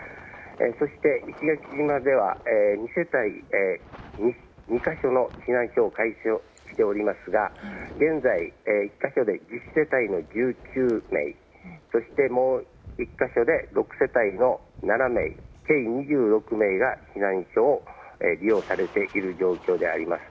そして、石垣島では２か所の避難所を開所しておりますが現在、１か所で１０世帯の１９名そして、もう１か所で６世帯の７名計２６名が避難所を利用されている状況であります。